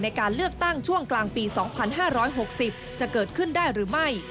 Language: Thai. ในการเลือกตั้งช่วงกลางปี๒๕๖๐จะเกิดขึ้นได้หรือไม่